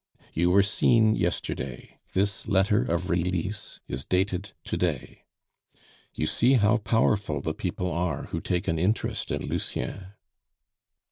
"You were seen yesterday, this letter of release is dated to day. You see how powerful the people are who take an interest in Lucien."